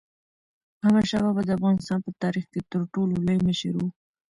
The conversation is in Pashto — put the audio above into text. احمدشاه بابا د افغانستان په تاریخ کې تر ټولو لوی مشر و.